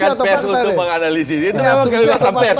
ini asumsi atau pas